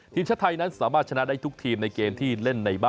ทีมชาติไทยนั้นสามารถชนะได้ทุกทีมในเกมที่เล่นในบ้าน